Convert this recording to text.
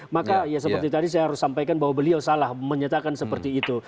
maka ya seperti tadi saya harus sampaikan bahwa beliau salah menyatakan seperti itu